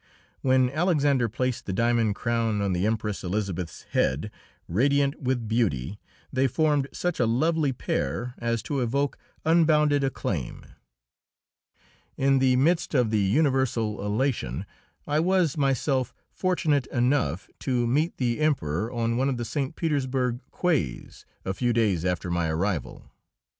When Alexander placed the diamond crown on the Empress Elisabeth's head, radiant with beauty, they formed such a lovely pair as to evoke unbounded acclaim. In the midst of the universal elation I was myself fortunate enough to meet the Emperor on one of the St. Petersburg quays a few days after my arrival.